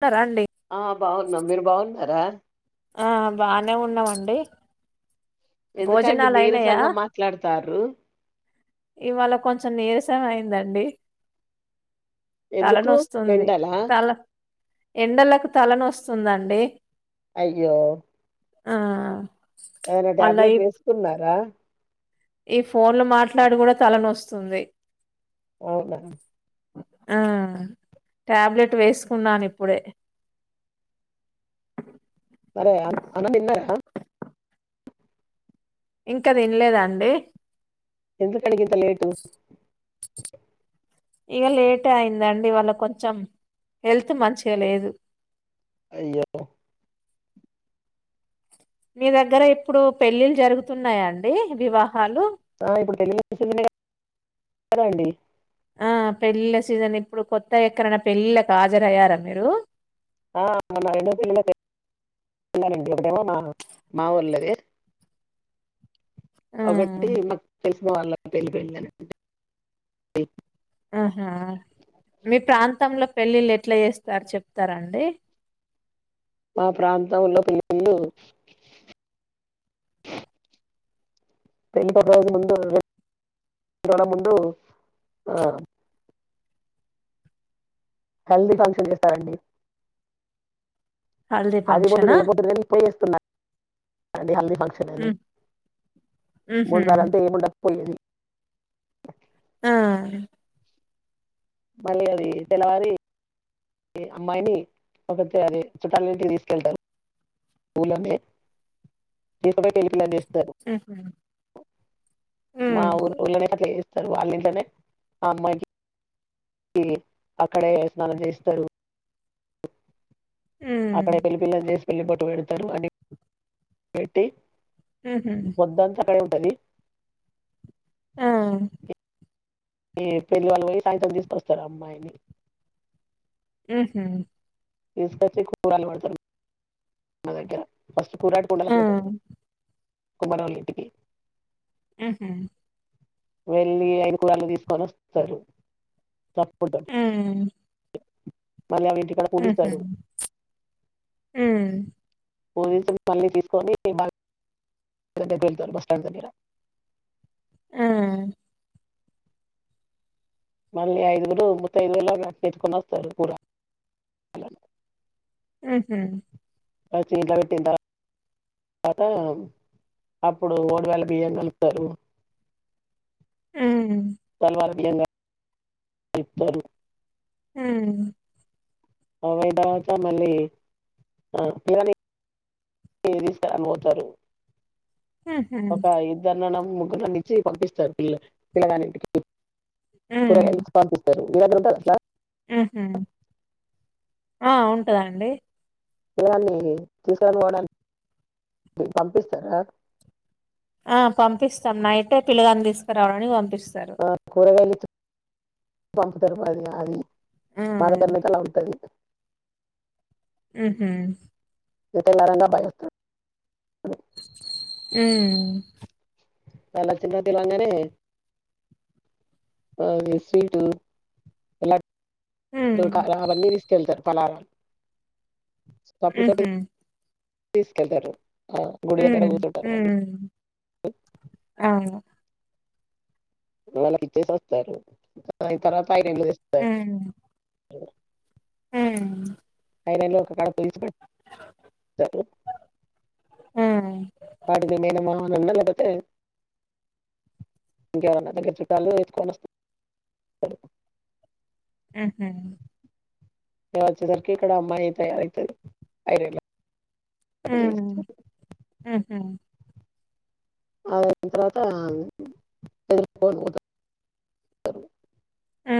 తారా అండి ఆ బావున్నాం మీరు బావున్నారా ఆ బానే ఉన్నామండి ఎందుకండి భోజనాలు అయినాయా నీరసంగా మాట్లాడుతారు ఇవాళ కొంచెం నీరసం అయిందండి ఎందుకు తలనొస్తుంది ఎండలా తల ఎండలకు తలనోస్తుందండి అయ్యో ఆ ఏమైనా మళ్ళా టాబ్లెట్ ఈ వేసుకున్నారా ఈ ఫోన్ లో మాట్లాడు కూడా తలనొస్తుంది అవునా ఆ టాబ్లెట్ వేసుకున్నాను ఇప్పుడే మరే అన్నం తిన్నారా ఇంకా తిన్లేదండి ఎందుకండి గింత లేటు ఇగ లేట్ అయిందండి ఇవాళ కొంచెం హెల్త్ మంచిగా లేదు అయ్యో మీ దగ్గర ఇప్పుడు పెళ్ళిళ్ జరుగుతున్నాయా అండి వివాహాలు ఆ ఇప్పుడు జరుగుతున్నాయిగా తున్నాయండి ఆ పెళ్లిళ్ల సీజన్ ఇప్పుడు కొత్త ఎక్కరన పెళ్లిళ్లకు హాజరయ్యారా మీరు ఆ నా రెండో పెళ్లిలది ఒకటేమో మా మాఊళ్లోది ఆ! ఒకటి తెల్స్ వాళ్ళ పెళ్ళి పెళ్ళది ఇ ఆహా మీ ప్రాంతంలో పెళ్ళిళ్ళు ఎట్లా చేస్తారు చెప్తారండి మా ప్రాంతంలో పెళ్ళిళ్ళు [unintelligible] ముందు ముందు ఆ హల్దీ ఫంక్షన్ చేస్తారండి. హల్దీ అది ముందు ఫంక్షనా? వెళ్ళిపోతు గాని పోయేస్తున్నా హల్ది ఫంక్షన్ అని హ్మ్. హుహు. ముందు నలంటే ఏముండక పోయేది ఆ మల్లి అది తెల్లవారి అమ్మాయిని ఒక అది చుట్టాల ఇంటికి తీసుకెళ్తారు. ఊళ్లోనే తీసుకుపోయి పేళ్ళి పిల్ల చేస్ స్తారు. హుహు. మా హ్మ్. ఉల్లే అయితే అట్ల చేస్తా స్తరు వాళ్ళింట్లనే ఆ అమ్మాయికి ఇగ అక్కడే స్నానం చేస్తారు. అక్కడే హ్మ్. పెళ్లి పిల్లను చేసి పెళ్లి బొట్టు పెడతారు. అని పెట్టి హుహు. పొద్దంతా ఆక్కాడే ఉంటంది. ఆ ఏ పెళ్లివాళ్ళు పోయి సాయంత్రం తీసుకొస్తారు. అమ్మాయిని ఉహు [unintelligible] పడతారు మా దగ్గర కురాటు కొండలా ఆ! [unintelligible] కుమ్మరోళ్ళ ఇంటికి ఆహ వెళ్ళి ఆయిన కూరళ్ళు తీసుకొని వస్తారు. తప్పుడు హ్ మళ్ళీ అవి ఇంటికాడ ఆహ పూజిస్తారు హ్ [unintelligible] మళ్ళీ తీసుకొని [unintelligible] బస్ స్టాండ్ దగ్గర ఆ మళ్ళీ ఐదుగురు ముత్త ఐదు లా అట్లా [unintelligible] వస్తారు కూడా ఉహ్ వచ్చి ఇంట్ల పెట్టిన తర్వాత తర్వాత అప్పుడు ఓడి [unintelligible] ల బియ్యం కలుపుతారు. హ్మ్. తల్వలు [unintelligible] హ్ అవి అయిన తర్వాత మళ్ళీ ఆ పిల్లని తీసుకోవడానికి పోతారు. హుహు. [unintelligible] ముగ్గురును ఇచ్చి పంపిస్తారు. [unintelligible] పిల్లగానీ ఇంటికి హ్మ్. [unintelligible] పంపిస్తారు [unintelligible] హుహు. ఆ ఉంటది అండి. పిలగాన్నితీసుకురాని పోవడానికి పంపిస్తారా ఆ పంపిస్తాం నైటె పిల్లగాని తీసుకురావడానికి పంపిస్తాం. ఆ కూరగాయలతో పంపుతారు ఉమ్ [unintelligible] ఉంటది. ఉహ్ ఇతన్ నాకన్నా బయస్తు డు ఊ వాల చిన్న పిలగానే అదే స్వీటు ఎలా ఇంక ఉమ్ ఆ అవన్నీ తీసుకెళ్తరు తెలరాలి ఉహు తీసుకెళ్తారు ఆ గుడిదగ్గర ఉమ్ కూర్చుంటారు వాళ్ళు ఉమ్ అవును వాళ్ళ కిచ్చేసి అస్తారు టైరింగ్ రూస్తే [unintelligible] ఊ ఐరన్లు ఒక్కకడ కుదిచ్చి పెడతారు. ఊ వాటిని మేనమానన్నా లేకపోతే ఇంకెవరన్నా దగ్గర చుట్టాలు తెసుుకొని వస్త రు ఊహూ నేను వచ్చెసరికే ఇక్కడ అమ్మాయిలు తయారయతారు ఐ [unintelligible] హ్మ్ ఊహూ అని తర్వాత [unintelligible] తెలు వారు ఊ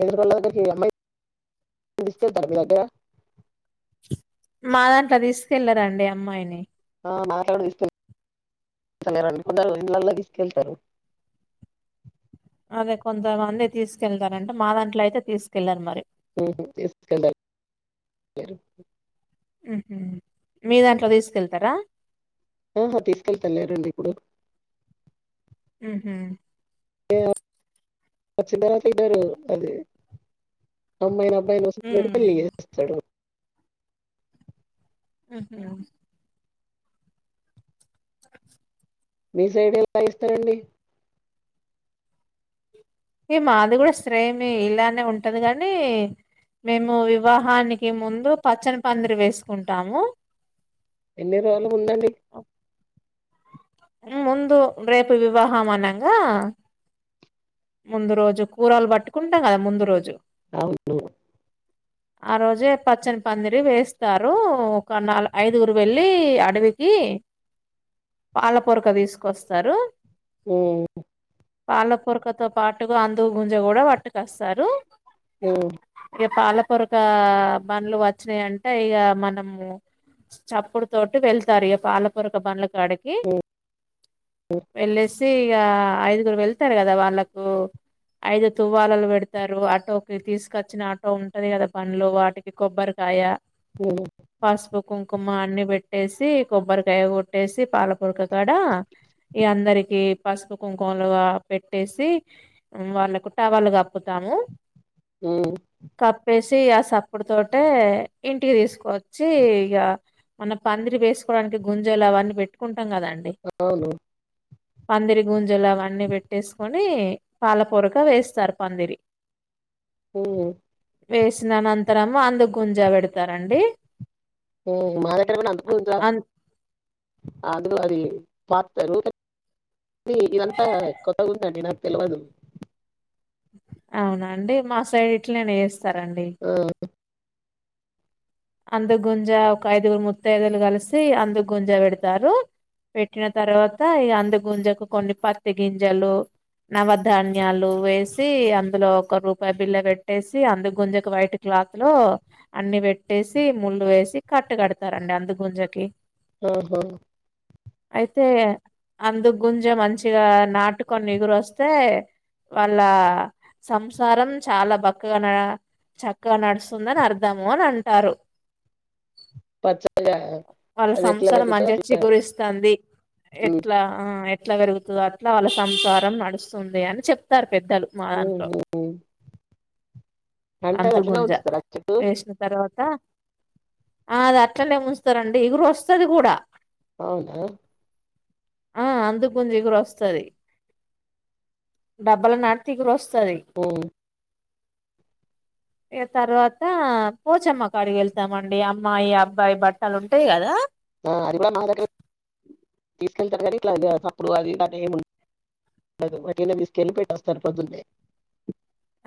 ఎందుకు అలాగ హి అమ్మాయి తెలుస్తే తరువాత మా దాంట్ల తీసుకెళ్ళరండి అమ్మాయిని ఆ మాట్లాడు తీస్కెల్ అసల్ ఆళ్ళు ఎందుకునరో ఇండ్లలకి [unintelligible] అదే కొంతమంది తీసుకెళ్తారంట మా దాంట్లో అయితే తీసుకెళ్లారు మరి ఓహో తీస్కెలర వరు ఉహు మీ దాంట్లో తీసుకెళ్తరా ఆహా తీసుకెళ్తా లేరండి ఇప్పుడు ఉహు ఒ వచ్చిం తరువాత ఇద్దరు అది అమ్మాయి రాద్ దాన్ [unintelligible] పెళ్లి ఉమ్ ఏస్తడు హ్ హ్మ మీ సైడ్ ఎలా ఇస్తారండి ఏ మాది కూడా శ్రేమే ఇలానే ఉంటది గన్ని. మేము వివాహానికి ముందు పచ్చని పందిరి వేసుకుంటాము ఎన్ని రోజులు ముందండీ ముందు రేపు వివాహాం అనాంగా ముందు రోజు కూరాలు పట్టుకుంటాం కదా ముందు రోజు అవును ఆ రోజే పచ్చని పందిరి వేస్తారు. ఒక నాల్ ఐదుగురు వెళ్ళి అడవికి పాల పొరక తీసుకొస్తారు హ్మ పాల పొరక తో పాటుగా అందు గుంజ గూడా పట్టకస్తారు హ్ ఇ పాలపొరక బండ్లు వచ్చినాయియంటే ఇగ. మనము చప్పుడు తోటి వెళ్తారు ఇగ పాలపొరక బండ్ల కాడకి ఉమ్, వెళ్ళే స్ తే ఇగ ఐదుగురు వెళ్తార్ కదా వాళ్ళక్ ఉ ఐదు తువ్వాలలు పెడతారు ఆటోకి తీసుకచ్చిన ఆటో ఉంటది గదా పండ్లు వాటికి కొబ్బరికాయ. హ్మ్ పసుపు కుంకుమ అన్ని పెట్టేసి, కొబ్బరికాయ కొట్టేసి, పాలపూరక కాడ. ఇగ అందరికి పసుపు కుంకుమలుగా పెట్టేసి. ఉ వాళ్ళకు టావ్వాలు కప్పుతాము. ఉమ్, కప్పేస్ చే సప్పుడు తోటే ఇంటికి తీసుకొచ్చి ఇగ మన పందిరి వేసుకోవడానికి గుంజలు అవన్నీ పెట్టుకుంట కదాండి అవును పందిరి గుంజలు అవన్నీ పెట్టేసుకొని పాలపూరక వేస్తారు పందిరి హ్మ్ వేసిన అనంతరము అందుకుంజ పెడతారండి. హ్మ్ మా దగ్గర కూడా అంతకుంజ అన్ ఆద్రో అది [unintelligible] ఇదంతా కొత్త ఉందండి నాక్ తెల్వదు. అవునండి మా సైడ్ ఇట్లనే ఎస్. సరండి హుక్. అంద గుంజా ఒక ఐదుగురు ముత్తైదులు కలిసి. అందు గుంజా పెడతారు పెట్టిన తర్వాత ఇగ అందు గుంజకు కొన్ని పత్తి గింజలు, నవధాన్యాలు వేసి అందులో ఒక రూపాయ్ బిల్ల పెట్టేసి. అందు గుంజకు వైట్ క్లాత్ లో అన్ని పెట్ ట్టేసి ముండు వేసి కట్టు కడతారండి అందు గుంజకి. ఉహు అయితే అందు గుంజ మంచిగా నాటుకొని ఇగురోస్తే. వాళ్ళ సంసారం చాలా బక్కగనగ చక్కగా నడుస్తుందని అర్ధము అని అంట్ టారు పచ్చగా వాళ్ళ అది ఎట్లా సంసారం పెరుగుతుందో మంచిగా అట్లా చిగురిస్తుంది ఉమ్, ఎట్లా ఆ అట్లా పెరుగుతాదో అట్లా వాళ్ళ సంసారం నడుస్తుంది అని చెప్తారు పెద్దలు మా దాంట్లో ఉమ్, ఉమ్. అంటే అది అట్లనే అంతుగుంజ ఉంచుతారా చెట్టు వేసిన తర్వాత ఆ అది అట్లానే ఉంచుతారు అండి ఇగురు వస్తుది కూడా అవునా ఆ అందు గుంజ ఇగురు వస్తుది డబ్బల నాటితే ఇగురు వస్తాది స్తాది ఉమ్. ఇగ తర్వాత పోచమ్మ కు అక్కడిగెళ్తామండి అమ్మాయి అబ్బాయి బట్టలు ఉంటాయి కదా అది కూడా మా దగ్గర తీసుకెళ్తారు కనీ ఇట్లా సప్పుడు అది అ ఏమి ఉండదు తీసుకెళ్ళి పెట్టి వస్తారు పొద్దున్నే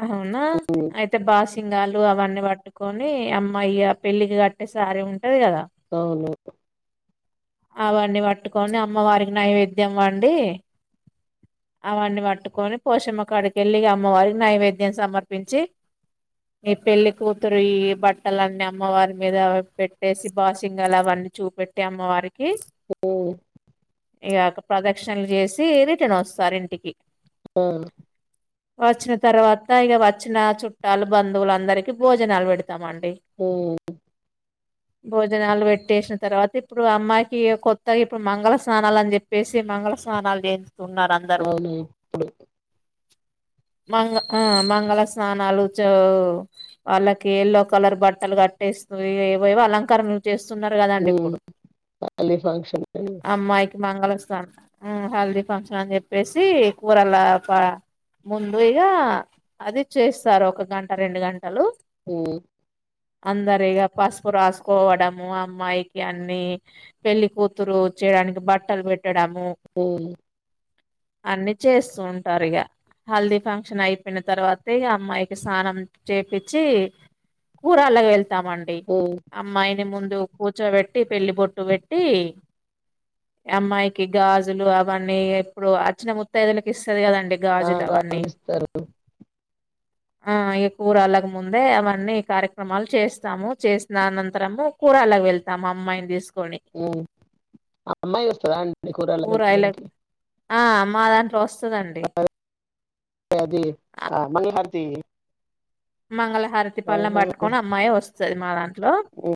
అవునా ఉమ్, అయితే బాసింగాలు అవన్నీ పట్టుకొని అమ్మాయి పెళ్ళికి కట్టే సారే ఉంటా అవును అవన్నీ పట్టుకొని అమ్మవారికి నైవేద్యం వండి అవన్నీ పట్టుకొని పోషమ్మ కాడికెళ్ళి ఇగ అమ్మవారికి నైవేద్యం సమర్పించి ఈ పెళ్లి కూతురు ఈ బట్టలన్నీ అమ్మవారి మీద పెట్టేసి బాషింగలు అవన్నీ చూపెట్టి అమ్మవారికి హ్మ్ ఇగ ప్రదక్షిణాలు చేసి రిటర్న్ వస్తారు ఇంటికి ఊ అచ్చ తర్వాత ఇక వచ్చిన చుట్టాలు బంధువులు అందరికి భోజనాలు పెడుత తమండి ఉమ్, భోజనాలు పెట్టేసిన తర్వాత ఇప్పుడు అమ్మాయికి కొత్తగా ఇప్పుడు మంగళ స్నానాలు అని చెప్పేసి మంగళ స్నానాలు చే ఉన్నారుందరూ అవును ఇప్పుడు మంగ ఆ మంగళ స్నానాలు చో వాళ్ళకి యెల్లో కలర్ బట్టలు కట్టేస్తు ఏవెవో అలంకరణ చేస్తున్నారు కదండి ఉమ్, ఇప్పుడు మళ్ళీ ఫంక్షన్ అమ్మాయి మంగళస్థానం ఉ హల్దీ ఫంక్షన్ అని చెప్పేసి కూరలకా ముందు ఇగ అది చేస్తారు ఒక గంట రెండు గంటలు హు అందరిగా పసుపు రాసుకోవడము అమ్మాయికి అన్ని పెళ్లి కూతురు చేయడానికి బట్టలు పెట్టి పెట్టడము అన్ని చేస్తూ ఉంటారు ఇగ హల్ది ఫంక్షన్ అయిపోయిన తర్వాతే అమ్మాయికి స్నానం చేపచ్చి కూరలాగా వెళ్ ఇస్తామండి అమ్మాయిని ముందు కూర్చోబెట్టి పెళ్లి బొట్టు పెట్టి అమ్మాయికి గాజులు అవన్నీ ఎప్పుడు అచ్చిన ముత్తైదులకి ఇస్త సరు కదండి గాజులు అవన్నీ ఓ ఆ ఇ కూరాలకు ముందే అవన్నీ కార్యక్రమాలు చేస్తాము చేసిన అనంతరము కూరాలకు వెళ్తాము అమ్మాయిని తీసుకు అమ్మాయి వస్తందా ఆండీ కూరళ్ళ కూరలగరికి ఆ మాదన్ వస్తుందండి అదే అది ఆ మంగ హధి మంగళహారతి పళ్ళం పట్టుకొని అమ్మాయి వస్తుం సరి మా దాం ఓ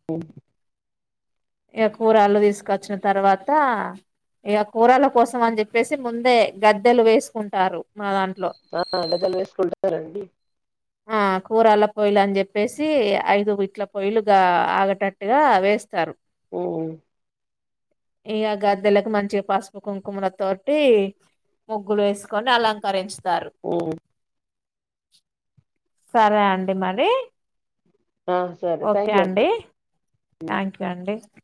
ఇగ కుర్రాళ్ళు తీసుకొచ్చిన తర్వాత ఇగ కూరాల కోసం అని చెప్పేసి ముందే గద్దెలు వేసుకుంటారు మా దాన్ ఆ గద్దెలు వేసుకుంటారండి ఆ కూరాల పోయిలాని చెప్ పేసి ఐదువి ఇట్లా పొయ్యలుగా ఆగటట్టుగా వేస్తారు ఉ ఇగ గద్దెలకు మంచిగ పసుపు కుంకుమల తోటి ముగ్గులు వేసుకొని అలంకరించ్ ఉ సరే అండి మరి ఆ సరే థ్యాంక్ యూ అండి థ్యాంక్ యూ అండి టే